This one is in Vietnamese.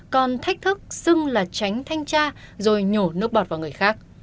còn thách thức xưng là tránh thanh tra rồi nhổ nước bọt vào người khác